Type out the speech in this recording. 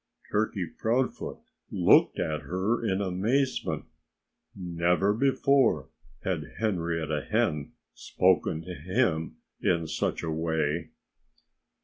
Turkey Proudfoot looked at her in amazement. Never before had Henrietta Hen spoken to him in such a way.